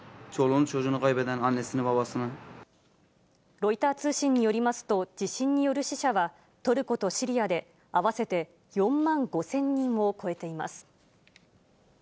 ロイター通信によりますと、地震による死者は、トルコとシリアで合わせて４万５０００人を超えています。